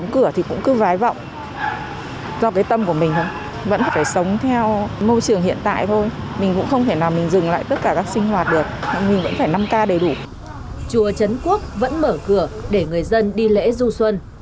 chùa trấn quốc vẫn mở cửa để người dân đi lễ du xuân